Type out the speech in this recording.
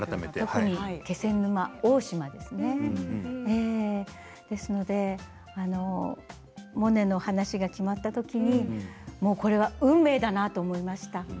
気仙沼大島ですねですのでモネの話が決まったときにもうこれは運命だなと思いました。